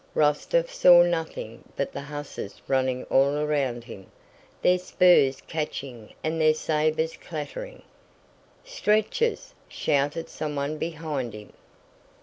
Rostóv saw nothing but the hussars running all around him, their spurs catching and their sabers clattering. "Stretchers!" shouted someone behind him.